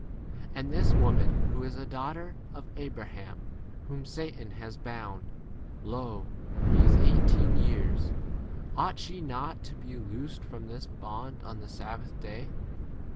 And this [woman], who is a daughter of Abraham, whom Satan has bound, lo, these eighteen years, ought she not to be loosed from this bond on the !? sabbath day